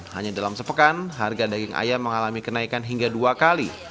hanya dalam sepekan harga daging ayam mengalami kenaikan hingga dua kali